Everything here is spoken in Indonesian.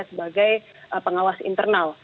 sebagai pengawas internal